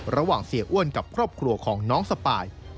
เสียอ้วนกับครอบครัวของน้องสปาย